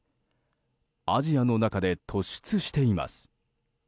アジアの中で突出しています。